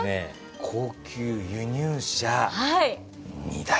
高級輸入車２台！